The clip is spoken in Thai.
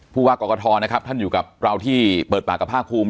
ผู้ว่ากรกฐนะครับท่านอยู่กับเราที่เปิดปากกับภาคภูมิ